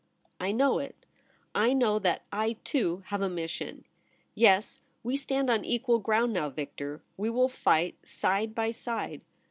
' I know it. I know that I, too, have a mission. Yes, we stand on equal ground now, Victor. We will fight side by side.